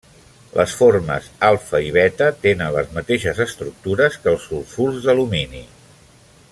Les formes alfa i beta tenen les mateixes estructures que els sulfurs d'alumini.